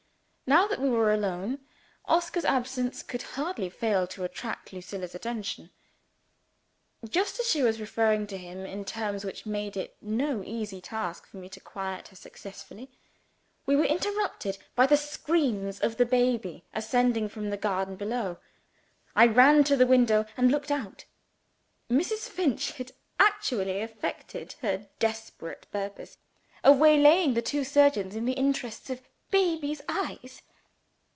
Now that we were alone, Oscar's absence could hardly fail to attract Lucilla's attention. Just as she was referring to him in terms which made it no easy task for me to quiet her successfully, we were interrupted by the screams of the baby, ascending from the garden below. I ran to the window, and looked out. Mrs. Finch had actually effected her desperate purpose of waylaying the two surgeons in the interests of "baby's eyes."